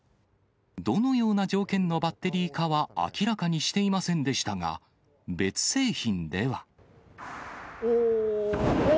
どのような条件のバッテリーかは明らかにしていませんでしたが、おー！